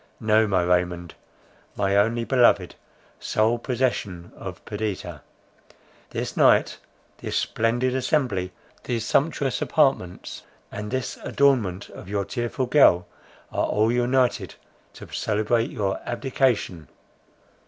No, my Raymond, my only beloved, sole possession of Perdita! This night, this splendid assembly, these sumptuous apartments, and this adornment of your tearful girl, are all united to celebrate your abdication.